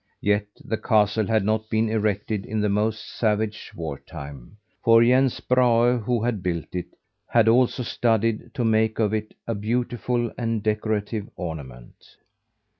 Yet the castle had not been erected in the most savage war time; for Jens Brahe, who built it, had also studied to make of it a beautiful and decorative ornament.